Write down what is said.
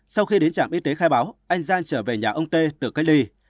sau khi đến trạm y tế khai báo anh giang trở về nhà ông tê tự cách ly